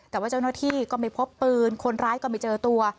แต่ว่าเจ้าหน้าที่ก็ไม่พบปืนคนร้ายก็ไม่เจอตัว